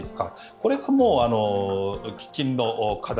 これが喫緊の課題